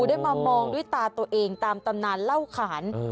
ได้มามองด้วยตาตัวเองตามตำนานเล่าขาน